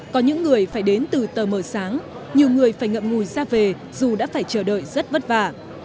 có những người phải đến từ tờ mờ sáng nhiều người phải ngậm ngùi ra về dù đã phải chờ đợi rất vất vả